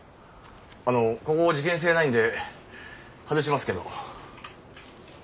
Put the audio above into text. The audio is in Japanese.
あのここ事件性ないので外しますけど。